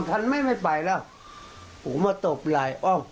ก็จะรู้ว่าบ้านจะโดน